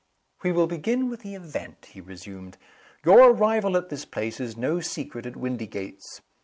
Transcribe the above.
"We will begin with the event," he resumed. "Your arrival at this place is no secret at Windygates.